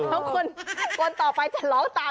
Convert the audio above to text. แล้วคนคนต่อไปจะร้องตาม